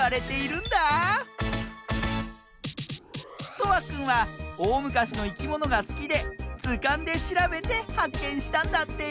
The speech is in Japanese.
とわくんはおおむかしのいきものがすきでずかんでしらべてはっけんしたんだって！